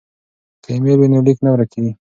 که ایمیل وي نو لیک نه ورک کیږي.